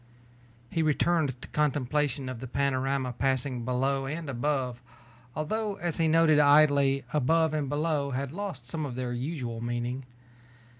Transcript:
He returned to contemplation of the panorama passing below and above, although as he noted idly, above and below had lost some of their usual meaning.